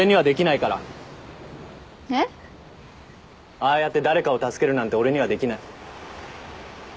ああやって誰かを助けるなんて俺にはできない。